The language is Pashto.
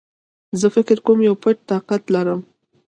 زه فکر کوم يو پټ طاقت لرم